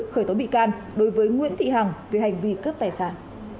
khởi tố bị can đối với nguyễn thị hằng về hành vi cướp tài sản